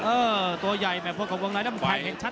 เออตัวใหญ่เพื่อโครงของฺงร้ายมีแท๊งชัดเห็นเท่านั้น